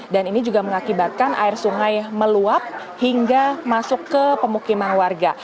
dan ini juga mengakibatkan air sungai meluap hingga masuk ke pemukiman warga